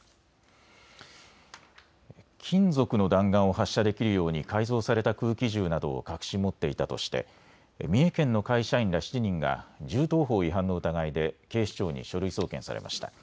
金属の弾丸を発射できるように改造された空気銃などを隠し持っていたとして三重県の会社員ら７人が銃刀法違反の疑いで警視庁に書類送検されました。